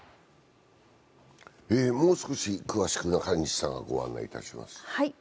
もう少し詳しく中西さんがご案内いたします。